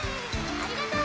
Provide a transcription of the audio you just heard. ありがとう！